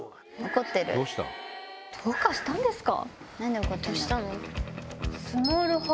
どうかしたんですか？